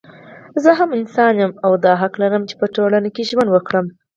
زه هم انسان يم او دا حق لرم چې په ټولنه کې ژوند وکړم